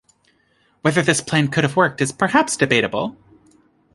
Whether this plan could have worked is perhaps debatable.